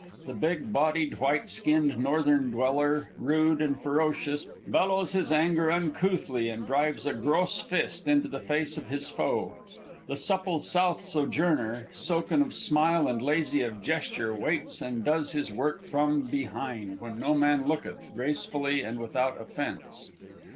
The big bodied, white skinned northern dweller, rude and ferocious, bellows his anger uncouthly and drives a gross fist into the face of his foe. The supple south sojourner, silken of smile and lazy of gesture, waits, and does his work from behind, when no man looketh, gracefully and without offence.